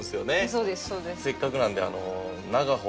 そうですそうです。